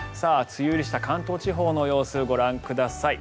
梅雨入りした関東・甲信地方の様子ご覧ください。